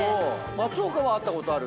松岡は会ったことあるって。